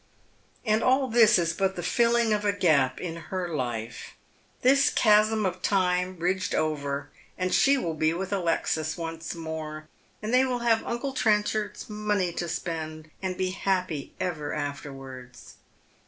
And all this is but the filling up of a gap in bet life. This chasm of time bridged over and she will be with Alexis once more, and they will have uncle Trenchard's money to spend and be happy ever afterwards.